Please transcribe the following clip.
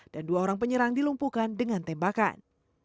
dan dua orang penyerang dilumpukan dengan tembakan